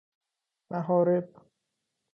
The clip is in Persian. محارب